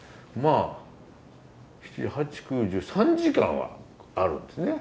３時間はあるんですね。